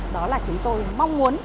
đó là chúng tôi mong muốn